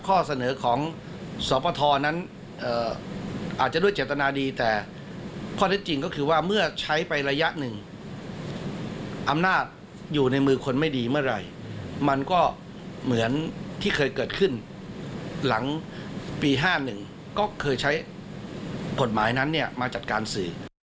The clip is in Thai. หลังปี๕๑ก็เคยใช้ผลหมายนั้นเนี่ยมาจัดการสื่อ